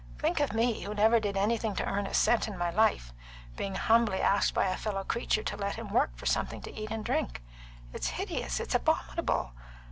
Think of me, who never did anything to earn a cent in my life, being humbly asked by a fellow creature to let him work for something to eat and drink! It's hideous! It's abominable!